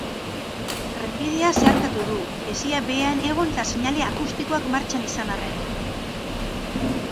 Trenbidea zeharkatu du, hesia behean egon eta seinale akustikoak martxan izan arren.